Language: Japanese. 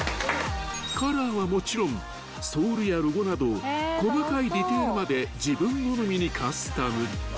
［カラーはもちろんソールやロゴなど細かいディテールまで自分好みにカスタム］